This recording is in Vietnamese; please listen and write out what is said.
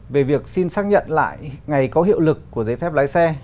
về việc xin xác nhận lại ngày có hiệu lực của giấy phép lái xe